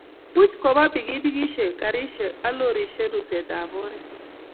much koba pipikishek, karishek ak lorishet rusetab oret